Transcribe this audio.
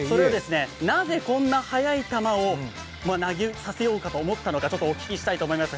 なぜこんな速い球を投げさせようと思ったのかちょっとお聞きしたいと思います。